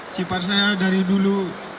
sifar saya dari dulu